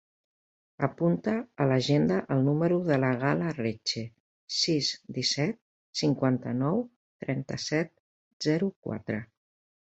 Apunta a l'agenda el número de la Gal·la Reche: sis, disset, cinquanta-nou, trenta-set, zero, quatre.